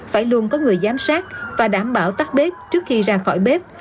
phải luôn có người giám sát và đảm bảo tắt bếp trước khi ra khỏi bếp